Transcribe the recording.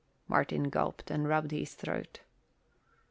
Martin gulped and rubbed his throat.